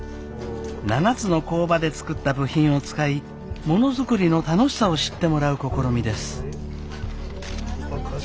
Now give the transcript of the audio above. ７つの工場で作った部品を使いものづくりの楽しさを知ってもらう試みです。